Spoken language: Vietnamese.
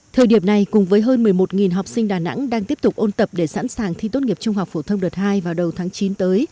thời điểm này cùng với hơn một mươi một học sinh đà nẵng đang tiếp tục ôn tập để sẵn sàng thi tốt nghiệp trung học phổ thông đợt hai vào đầu tháng chín tới